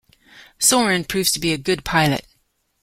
Soren proves to be a good pilot.